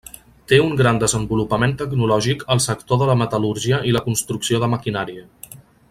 Té un gran desenvolupament tecnològic al sector de la metal·lúrgia i la construcció de maquinària.